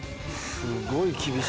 すごい厳しい。